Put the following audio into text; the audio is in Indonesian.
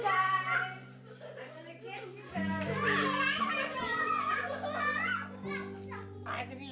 kita akan menemukan kalian semua